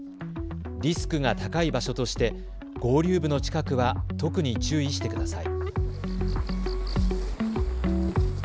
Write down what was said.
リスクが高い場所として合流部の近くは特に注意してください。